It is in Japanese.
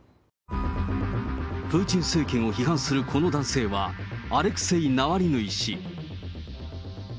プーチン政権を批判するこの男性は、アレクセイ・ナワリヌイ氏。